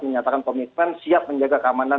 menyatakan komitmen siap menjaga keamanan